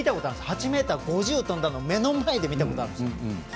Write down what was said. ８ｍ５０を跳んだのを目の前で見たことがあるんです。